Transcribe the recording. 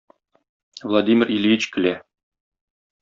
Владимир Ильич көлә.